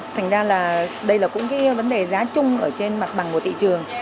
thành ra là đây là cũng cái vấn đề giá chung ở trên mặt bằng của thị trường